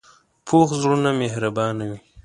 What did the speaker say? پوخ زړونه مهربانه وي